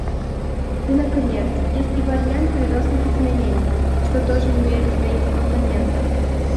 И наконец, есть и вариант приростных изменений, что тоже имеет своих оппонентов.